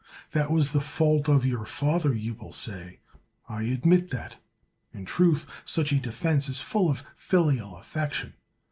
That was the fault of your father, you will say. I admit that. In truth, such a defense is full of filial affection.